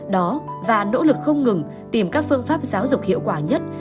đó và nỗ lực không ngừng tìm các phương pháp giáo dục hiệu quả nhất